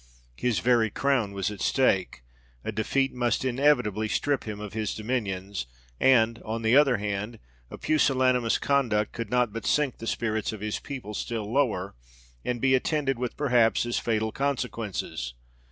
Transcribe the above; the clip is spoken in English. His very crown was at stake ; a defeat must inevitably strip him of his dominions ; and on the other hand, a pusillanimous conduct could not but sink the spirits of his people still lower, and be attended with perhaps as fatal consequences.